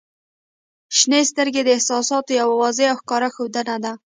• شنې سترګې د احساساتو یوه واضح او ښکلی ښودنه ده.